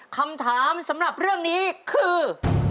คำถามสำหรับเรื่องนี้คือ